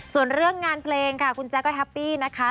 ส่วนเรื่องงานเพลงค่ะคุณแจ๊ก็แฮปปี้นะคะ